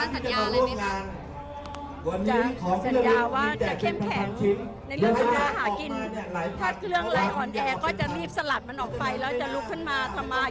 เขามีถ่ายด้านส่วนแล้วนะครับ